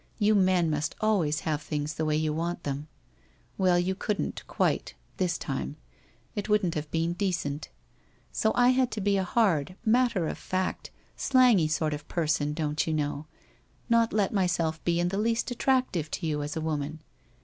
You men must al ways have things the way you want them. Well, you couldn't, quite — this time — it wouldn't have been decent. So I had to be a hard, matter of fact, slangy sort of per son, don't you know — not let myself be in the least at tractive to you as a woman.